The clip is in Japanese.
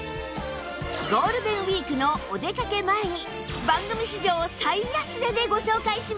ゴールデンウィークのお出かけ前に番組史上最安値でご紹介します！